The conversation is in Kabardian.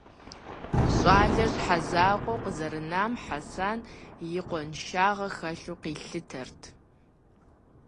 Щӏалэр щхьэзакъуэу къызэрынам Хьэсэн и къуэншагъэ хэлъу къилъытэрт.